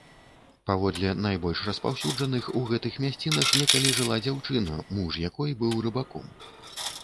Паводле найбольш распаўсюджаных, у гэтых мясцінах некалі жыла дзяўчына, муж якой быў рыбаком.